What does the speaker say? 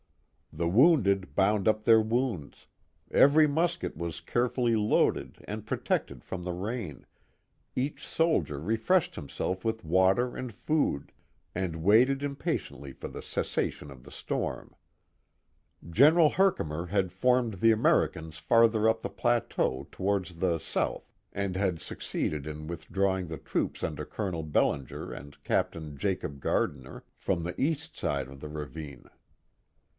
The wounded bound up their wounds, every musket was carefully loaded and protected from the rain, each soldier refreshed himself with water and food, and waited impatiently for the cessation of the storm General Herkimer had formed the Americans farther up the plateau towards the south and had succeeded in with drawing the troops under Colonel Bellinger and Captain Jacob Gardinier from the east side of the ravine.